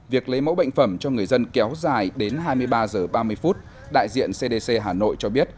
việc lấy mẫu bệnh phẩm cho người dân kéo dài đến hai mươi ba h ba mươi đại diện cdc hà nội cho biết